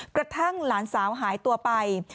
กระทั่งหลานสาวหายตัวไป